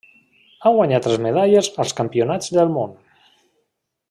Ha guanyat tres medalles als Campionats del món.